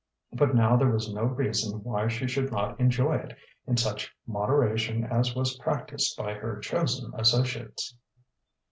But now there was no reason why she should not enjoy it in such moderation as was practised by her chosen associates.